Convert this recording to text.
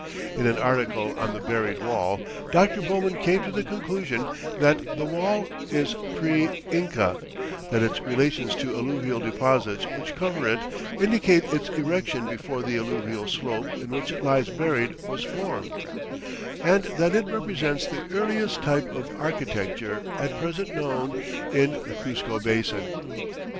In an article on the buried wall, Dr. Bowman came to the conclusion that "the wall is pre Inca, that its relations to alluvial deposits which cover it indicate its erection before the alluvial slope in which it lies buried was formed, and that it represents the earliest type of architecture at present known in the Cuzco basin."